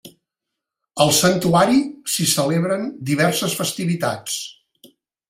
Al Santuari s'hi celebren diverses festivitats.